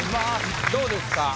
どうですか？